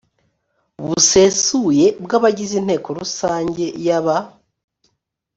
busesuye bw abagize inteko rusange yaba